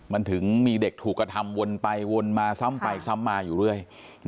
มันถึงมีเด็กถูกกระทำวนไปวนมาซ้ำไปซ้ำมาอยู่เรื่อย